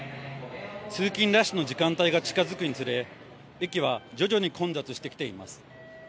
通勤ラッシュの時間帯が近づくにつれ、駅は徐々に混雑してきています。